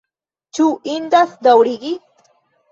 Ĉu indas daŭrigi?